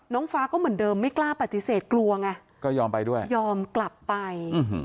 น้องฟ้าก็เหมือนเดิมไม่กล้าปฏิเสธกลัวไงก็ยอมไปด้วยยอมกลับไป